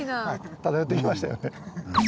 漂ってきましたよね。